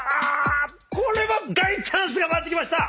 これは大チャンスが回ってきました！